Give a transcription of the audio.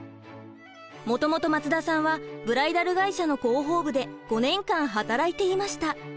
もともと松田さんはブライダル会社の広報部で５年間働いていました。